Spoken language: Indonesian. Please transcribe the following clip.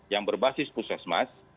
yang berbasis pusat mas